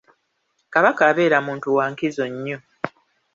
Kabaka abeera muntu wa nkizo nnyo.